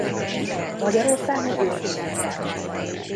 Magyarországon őshonos faj.